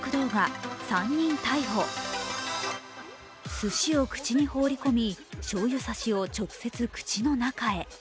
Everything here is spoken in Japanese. すしを口に放り込みしょうゆ差しを直接口の中へ。